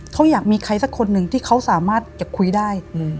เขาอยากมีใครสักคนหนึ่งที่เขาสามารถจะคุยได้